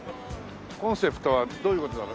コンセプトはどういう事だろう？